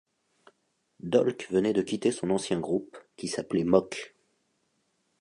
Dolk venait de quitter son ancien groupe, qui s'appelait Mock.